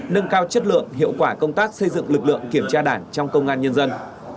nâng cao chất lượng hiệu quả công tác xây dựng lực lượng kiểm tra đảng trong công an nhân dân